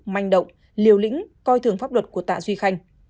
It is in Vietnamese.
manh động liều lĩnh coi thường pháp luật của tạ duy khanh